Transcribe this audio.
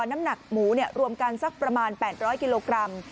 น้ำหนักหมูรวมกันสักประมาณ๘๐๐กิโลกรัม